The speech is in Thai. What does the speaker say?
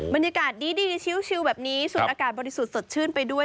บรรยากาศดีชิวแบบนี้สูดอากาศบริสุทธิ์สดชื่นไปด้วย